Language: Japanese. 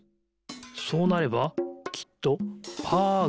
そうなればきっとパーがでる。